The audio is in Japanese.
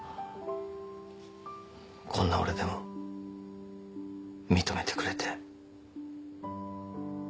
こんな俺でも認めてくれて。